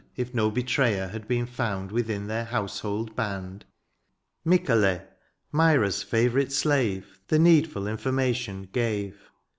If no betrayer had been found Within their household band. Mycale, Myra's favourite slave, The needful information gave.